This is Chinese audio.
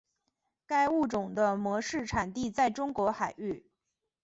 该物种的模式产地在中国海域。